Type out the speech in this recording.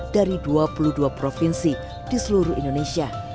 dari dua puluh dua provinsi di seluruh indonesia